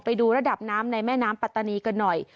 ไปดูระดับน้ำในแม่น้ำปัตตานีกันหน่อย